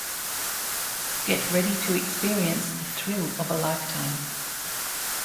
Get ready to experience the thrill of a lifetime.